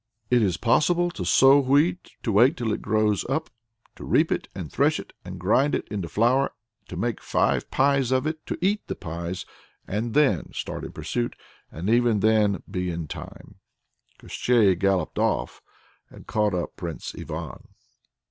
"It is possible to sow wheat, to wait till it grows up, to reap it and thresh it, to grind it to flour, to make five pies of it, to eat those pies, and then to start in pursuit and even then to be in time." Koshchei galloped off and caught up Prince Ivan.